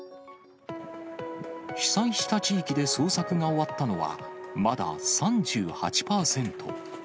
被災した地域で捜索が終わったのは、まだ３８％。